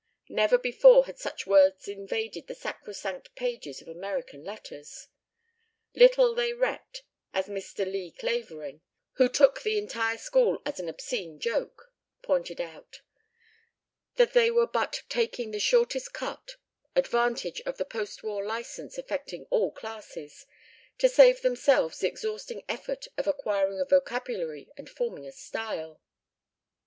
Never before had such words invaded the sacrosanct pages of American letters. Little they recked, as Mr. Lee Clavering, who took the entire school as an obscene joke, pointed out, that they were but taking the shortest cut advantage of the post war license affecting all classes to save themselves the exhausting effort of acquiring a vocabulary and forming a style.